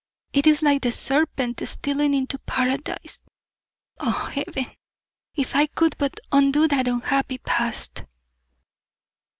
It is like the serpent stealing into paradise. Ah, Heaven! if I could but undo that unhappy past."